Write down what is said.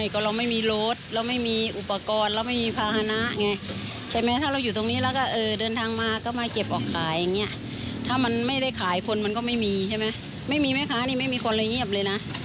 ก็มีมีนะมันไม่แย่งกังวลอย่างมันทุกข์ใจเลยนะ